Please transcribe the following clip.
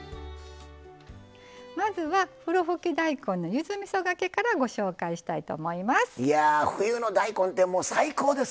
まずは、ふろふき大根のゆずみそがけからご紹介したいと思います。